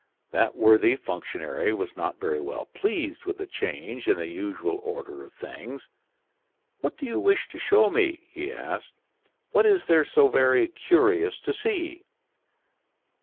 That worthy functionary was not very well pleased with the change in the usual order of things. "What do you wish to show me?" he asked. "What is there so very curious to see?"